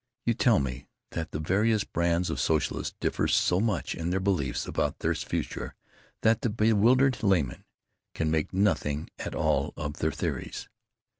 You tell me that the various brands of socialists differ so much in their beliefs about this future that the bewildered layman can make nothing at all of their theories.